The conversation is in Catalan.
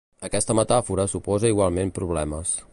Aquesta metàfora suposa igualment problemes.